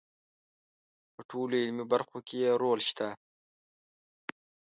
په ټولو علمي برخو کې یې رول شته.